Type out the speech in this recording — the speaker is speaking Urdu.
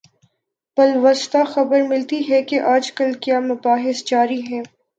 بالواسطہ خبر ملتی ہے کہ آج کل کیا مباحث جاری ہیں۔